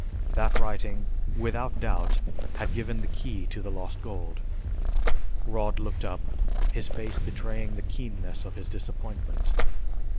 That writing, without doubt, had given the key to the lost gold. Rod looked up, his face betraying the keenness of his disappointment.